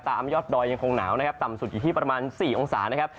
ยอดดอยยังคงหนาวนะครับต่ำสุดอยู่ที่ประมาณ๔องศานะครับ